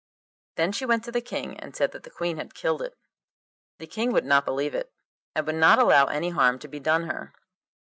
Then she went to the King and said that the Queen had killed it. The King would not believe it, and would not allow any harm to be done her.